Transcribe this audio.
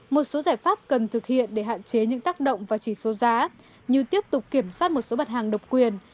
một số giải pháp cần thực hiện để hạn chế những tác động và chỉ số giá như tiếp tục kiểm soát một số mặt hàng độc quyền